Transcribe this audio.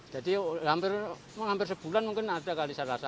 jadi hampir sebulan mungkin ada kali saya rasa